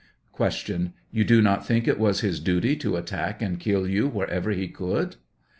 Q. You do not think it was his duty to attack and kill you wherever he could? A.